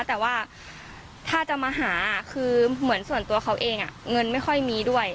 แต่ว่าถ้าจะมาหาคือเหมือนส่วนตัวเขาเองเงินไม่ค่อยมีด้วย